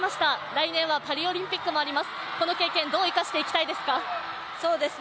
来年はパリオリンピックもあります、この経験どう生かしていきたいですか？